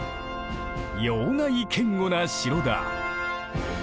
要害堅固な城だ。